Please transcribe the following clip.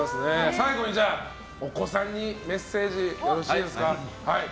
最後にお子さんにメッセージよろしいですか。